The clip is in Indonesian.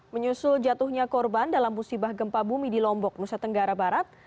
menyusul jatuhnya korban dalam musibah gempa bumi di lombok nusa tenggara barat